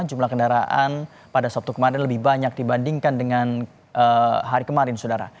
jumlah kendaraan pada sabtu kemarin lebih banyak dibandingkan dengan hari kemarin saudara